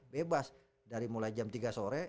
bebas dari mulai jam tiga sore